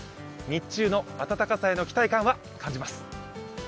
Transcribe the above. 日中の暖かさへの期待感は感じます。